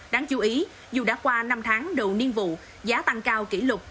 đáng chú ý dù đã qua năm tháng đầu niên vụ giá tăng cao kỷ lục